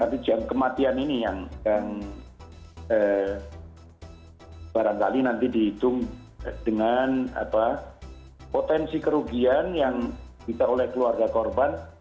tapi kematian ini yang barangkali nanti dihitung dengan potensi kerugian yang ditaruh oleh keluarga korban